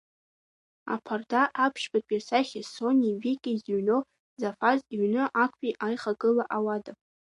Аԥарда Аԥшьбатәи асахьа сониеи Викеи зыҩноу Зафас иҩны актәи аихагыла ауада.